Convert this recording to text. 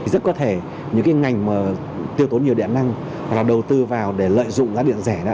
rất có thể những ngành tiêu tốn nhiều điện năng hoặc đầu tư vào để lợi dụng giá điện rẻ